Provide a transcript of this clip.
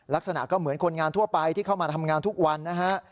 ลักษณะก็เหมือนคนงานทั่วไปที่เข้ามาทำงานทุกวันนะฮะ